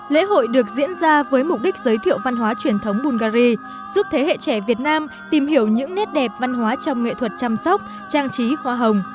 lễ hội được diễn ra với mục đích giới thiệu văn hóa truyền thống bungary giúp thế hệ trẻ việt nam tìm hiểu những nét đẹp văn hóa trong nghệ thuật chăm sóc trang trí hoa hồng